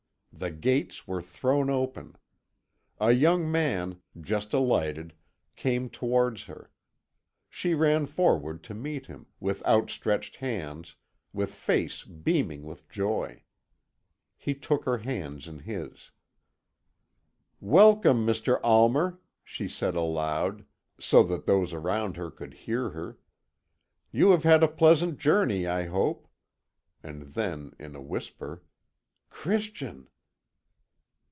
The gates were thrown open. A young man, just alighted, came towards her. She ran forward to meet him, with outstretched hands, with face beaming with joy. He took her hands in his. "Welcome, Mr. Almer," she said aloud, so that those around her could hear her. "You have had a pleasant journey, I hope." And then, in a whisper, "Christian!"